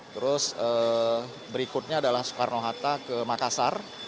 terus berikutnya adalah soekarno hatta ke makassar